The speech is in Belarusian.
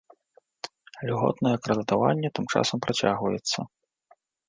Льготнае крэдытаванне тым часам працягваецца.